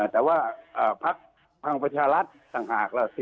แต่ว่าภักดิ์พังประชารัฐต่างหากแล้ว